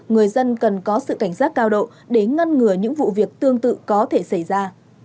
người dân cần có sự cảnh giác cao độ để ngăn ngừa những vụ việc tương tự có thể xảy ra